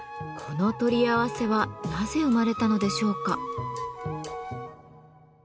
この「とりあわせ」はなぜ生まれたのでしょうか？